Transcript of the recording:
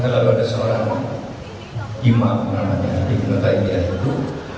lalu ada seorang imam namanya ibn tayyib i ahidu